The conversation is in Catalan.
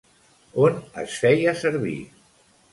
On es feia servir?